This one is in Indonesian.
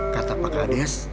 kata pak ades